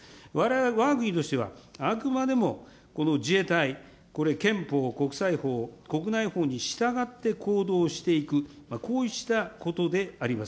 わが国としては、あくまでもこの自衛隊、これ、憲法国際法、国内法に従って行動していく、こうしたことであります。